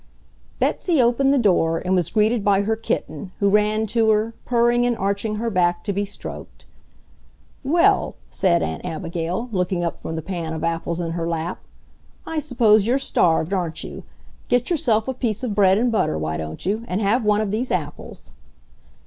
Betsy opened the door and was greeted by her kitten, who ran to her, purring and arching her back to be stroked. "Well," said Aunt Abigail, looking up from the pan of apples in her lap, "I suppose you're starved, aren't you? Get yourself a piece of bread and butter, why don't you? and have one of these apples."